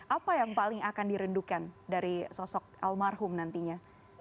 apa yang paling akan dirindukan dari sosok almarhum nantinya